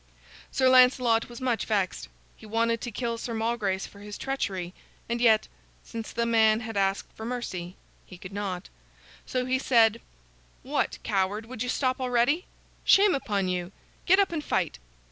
Sir Lancelot was much vexed. He wanted to kill Sir Malgrace for his treachery, and yet, since the man had asked for mercy, he could not. So he said: "What, coward, would you stop already? Shame upon you! Get up and fight."